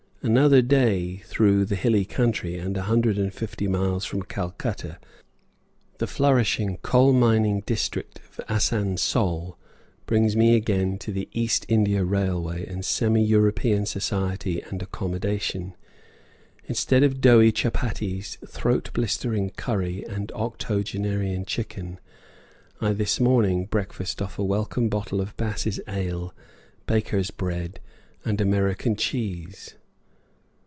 Another day through the hilly country and, a hundred and fifty miles from Calcutta, the flourishing coal mining district of Asansol brings me again to the East India Railway and semi European society and accommodation. Instead of doughy chuppatties, throat blistering curry, and octogenarian chicken, I this morning breakfast off a welcome bottle of Bass's ale, baker's bread, and American cheese.